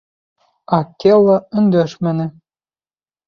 Акела өндәшмәне.